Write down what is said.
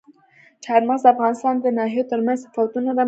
چار مغز د افغانستان د ناحیو ترمنځ تفاوتونه رامنځته کوي.